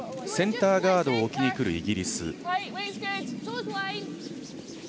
センターガードを置きにくるイギリス。